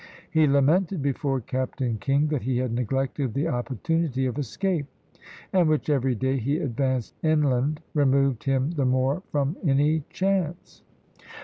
He lamented, before Captain King, that he had neglected the opportunity of escape; and which, every day he advanced inland, removed him the more from any chance.